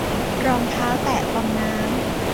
รองเท้าแตะฟองน้ำ